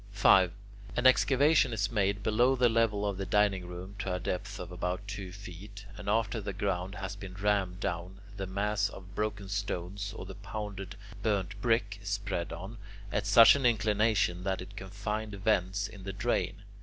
5. An excavation is made below the level of the dining room to a depth of about two feet, and, after the ground has been rammed down, the mass of broken stones or the pounded burnt brick is spread on, at such an inclination that it can find vents in the drain.